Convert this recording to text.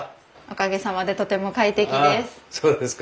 おかげさまでとても快適です。